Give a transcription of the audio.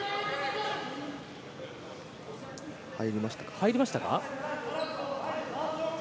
入りましたか。